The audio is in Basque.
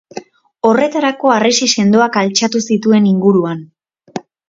Horretarako harresi sendoak altxatu zituen inguruan.